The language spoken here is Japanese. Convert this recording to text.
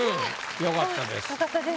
良かったです。